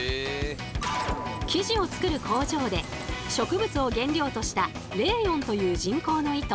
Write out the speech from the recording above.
生地を作る工場で植物を原料としたレーヨンという人工の糸